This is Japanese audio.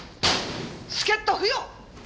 助っ人不要！